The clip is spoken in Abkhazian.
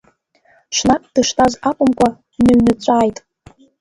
Ҽнак дыштәаз акәымкәа дныҩныҵәааит…